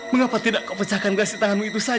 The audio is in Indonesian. mengapa tidak kau pecahkan belas tanganmu itu saja